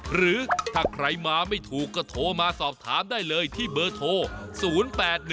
หรือถ้าใครมาไม่ถูกก็โทรมาสอบถามได้เลยที่เบอร์โทร๐๘๑